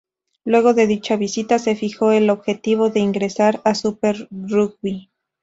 Luego de dicha visita se fijó el objetivo de ingresar al Super Rugby.